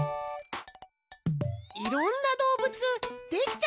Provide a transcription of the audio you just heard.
いろんなどうぶつできちゃった！